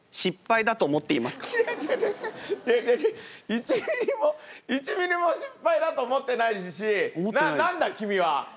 １ミリも１ミリも失敗だと思ってないし何だ君は！